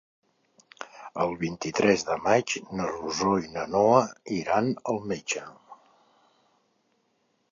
El vint-i-tres de maig na Rosó i na Noa iran al metge.